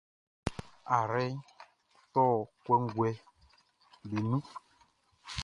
Ayrɛʼn tɔ kɔnguɛʼm be nun.